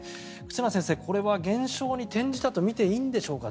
忽那先生、これは減少に転じたとみていいのでしょうか。